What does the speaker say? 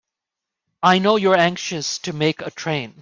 I know you're anxious to make a train.